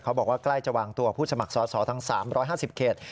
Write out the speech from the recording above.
บอกว่าใกล้จะวางตัวผู้สมัครสอสอทั้ง๓๕๐เขต